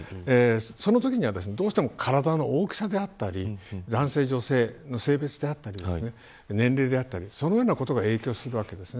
そのときにはどうしても体の大きさであったり男性、女性の性別であったり年齢であったり、そのようなことが影響するわけです。